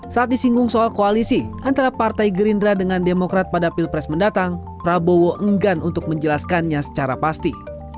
saat disinggung soal koalisi antara partai gerindra dengan demokrat pada pilpres mendatang prabowo enggan untuk menjelaskannya secara pasti